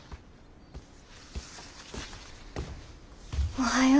おはよう。